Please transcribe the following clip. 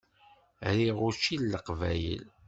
Riɣ učči n Leqbayel.